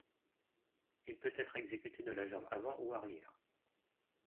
Il peut être exécuté de la jambe avant ou arrière.